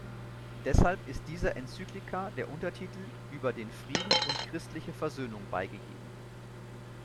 Deshalb ist dieser Enzyklika der Untertitel „Über den Frieden und christliche Versöhnung“ beigegeben.